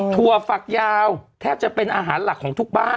ถั่วฝักยาวแทบจะเป็นอาหารหลักของทุกบ้าน